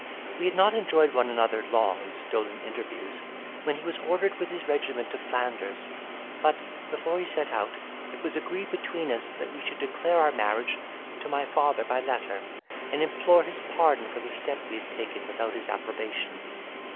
We had not enjoyed one another long in stolen interviews, when he was ordered with his regiment to Flanders; but, before he set out, it was agreed between us, that we should declare our marriage to my father by letter, and implore his pardon for the step we had taken without his approbation.